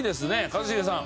一茂さん。